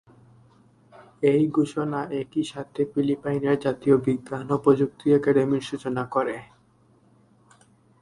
এই ঘোষণা একই সাথে ফিলিপাইনের জাতীয় বিজ্ঞান ও প্রযুক্তি একাডেমির সূচনা করে।